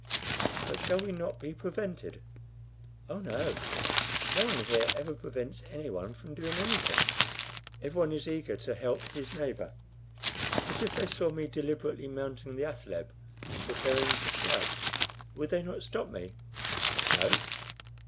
"But shall we not be prevented?" "Oh no. No one here ever prevents anyone from doing anything. Everyone is eager to help his neighbor." "But if they saw me deliberately mounting the athaleb and preparing for flight, would they not stop me?" "No."